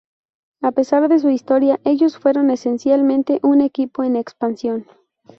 A pesar de su historia, ellos fueron esencialmente un equipo en expansión.